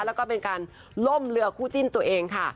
แล้วก็เป็นการล่มเรือคู่จิ้นตัวเองค่ะ